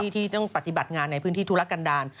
ที่ต้องปฏิบัติงานในพื้นที่ธุรกันดาล